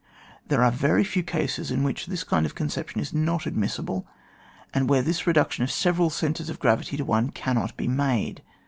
There are very few cases in which this kind of conception is not admissible, and where this reduction of several centres of gravity to one cannot be made.